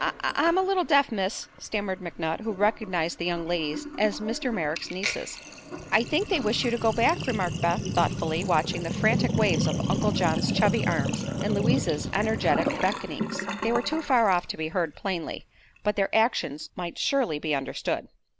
"I I'm a little deaf, miss," stammered McNutt, who recognized the young ladies as Mr. Merrick's nieces. "I think they wish you to go back," remarked Beth, thoughtfully watching the frantic waves of Uncle John's chubby arms and Louise's energetic beckonings. They were too far off to be heard plainly, but their actions might surely be understood.